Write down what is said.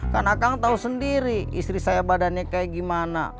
karena kang tahu sendiri istri saya badannya kayak gimana